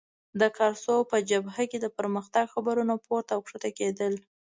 د کارسو په جبهه کې د پرمختګ خبرونه پورته او کښته کېدل.